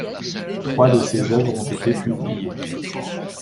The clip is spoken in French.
Trois de ces œuvres ont été publiés.